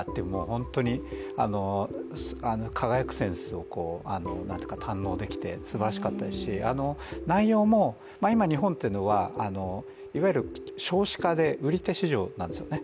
本当に輝くセンスを堪能できて、すばらしかったですし内容も、今、日本というのはいわゆる少子化で、売手市場なんですよね。